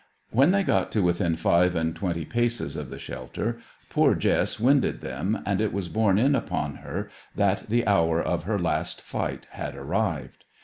When they got to within five and twenty paces of the shelter, poor Jess winded them, and it was borne in upon her that the hour of her last fight had arrived.